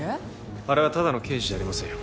あれはただの刑事じゃありませんよ